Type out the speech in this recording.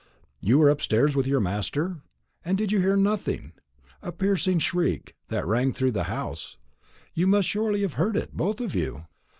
"You were upstairs with your master? And did you hear nothing? A piercing shriek that rang through the house; you must surely have heard it, both of you."